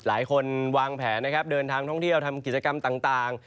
หลายคนวางแผนนะครับเดินทางท่องเที่ยวทำกิจกรรมต่าง